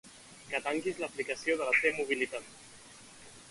Que tanquis l'aplicació de la T-mobilitat.